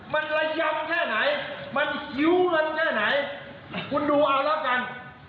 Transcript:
มันระยำแค่ไหนมันหิ้วเงินแค่ไหนคุณดูเอาแล้วกัน